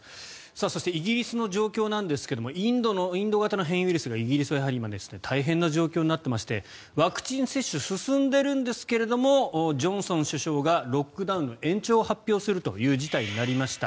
そして、イギリスの状況ですがインド型の変異ウイルスがイギリスは今、大変な状況になっていましてワクチン接種が進んでいるんですがジョンソン首相がロックダウンの延長を発表するという事態になりました。